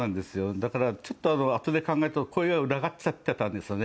だからちょっとあとで考えたら声が裏返っちゃってたんですよね。